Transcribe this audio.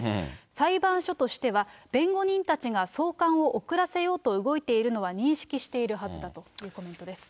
裁判所としては、弁護人たちが送還を遅らせようと動いているのは認識しているはずだというコメントです。